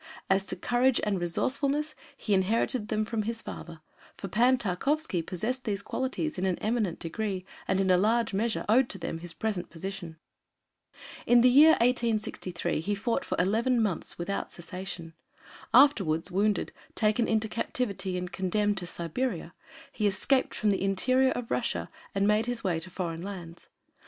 As to courage and resourcefulness, he inherited them from his father, for Pan Tarkowski possessed these qualities in an eminent degree and in a large measure owed to them his present position. In the year 1863 he fought for eleven months without cessation. Afterwards, wounded, taken into captivity, and condemned to Siberia, he escaped from the interior of Russia and made his way to foreign lands.